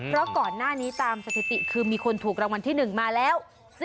เพราะก่อนหน้านี้ตามสถิติคือมีคนถูกรางวัลที่๑มาแล้ว